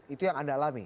itu yang anda alami